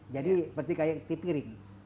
jadi seperti kayak tipiring